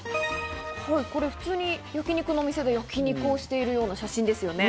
普通に焼き肉のお店で焼き肉をしてるような写真ですよね。